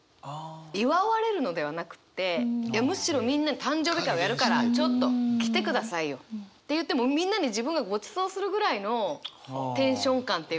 祝われるのではなくってむしろみんなに誕生日会をやるからちょっと来てくださいよって言ってみんなに自分がごちそうするぐらいのテンション感っていうか。